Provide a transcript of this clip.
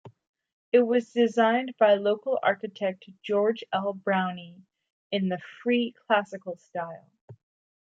It was designed by local architect George L. Browne in the Free Classical style.